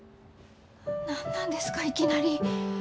何なんですかいきなり。